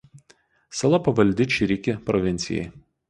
Sala pavaldi Čiriki provincijai.